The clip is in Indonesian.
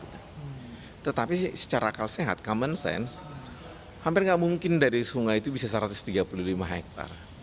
tetapi secara akal sehat common sense hampir tidak mungkin dari sungai itu bisa satu ratus tiga puluh lima hektare